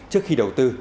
trước khi đầu tư